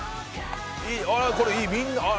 あっいいみんな。